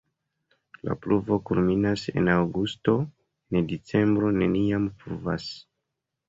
La pluvo kulminas en aŭgusto, en decembro neniam pluvas.